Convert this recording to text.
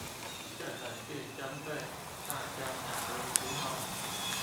這個是針對大家討論之後